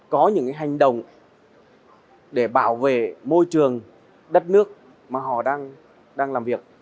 có những hành động để bảo vệ môi trường đất nước mà họ đang làm việc